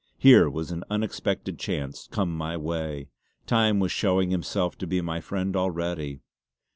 Here was an unexpected chance come my way. Time was showing himself to be my friend already.